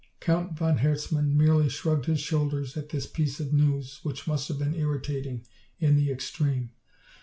Count von Herzmann merely shrugged his shoulders at this piece of news which must have been irritating in the extreme.